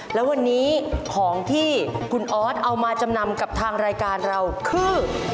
แล้ววันนี้ของที่คุณออสเอามาจำนำกับทางรายการเราคือ